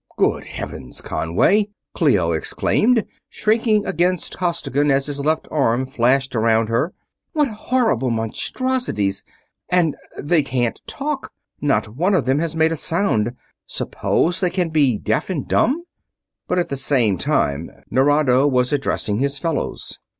"Good Heavens, Conway!" Clio exclaimed, shrinking against Costigan as his left arm flashed around her. "What horrible monstrosities! And they can't talk not one of them has made a sound suppose they can be deaf and dumb?" But at the same time Nerado was addressing his fellows.